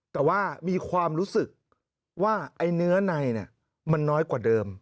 แต่ว่ามีความรู้สึกว่าไอ้เนื้อในมันน้อยกว่าเดิม